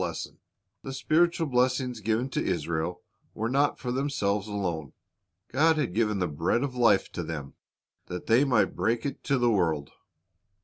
''Go into the Highzvays" 221 lesson. The spiritual blessings given to Israel were not for themselves alone. God had given the bread of life to them, that they might break it to the world.